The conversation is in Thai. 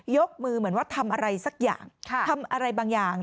ยกมือเหมือนว่าทำอะไรสักอย่างทำอะไรบางอย่าง